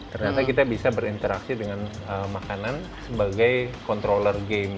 ternyata kita bisa berinteraksi dengan makanan sebagai controller game